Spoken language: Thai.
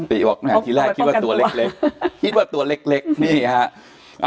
ติบอกแม่ทีแรกคิดว่าตัวเล็กคิดว่าตัวเล็กนี่ฮะ